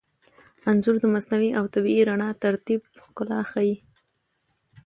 انځور د مصنوعي او طبیعي رڼا تر ترکیب ښکلا ښيي.